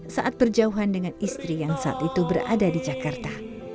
saat berjauhan dengan istri yang saat itu berada di jakarta